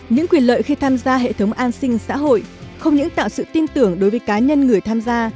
những quyền lợi khi tham gia hệ thống an sinh xã hội không những tạo sự tin tưởng đối với cá nhân người tham gia